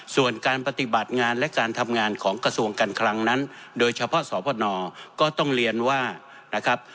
ส่วนการปฏิบัติงานและการทำงานของกระทรวงการคลังนั้นโดยเฉพาะสพนก็ต้องเรียนว่านะครับ